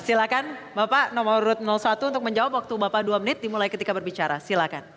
silahkan bapak nomor satu untuk menjawab waktu bapak dua menit dimulai ketika berbicara silakan